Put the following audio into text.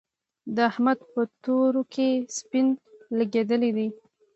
د احمد په تورو کې سپين لګېدلي دي.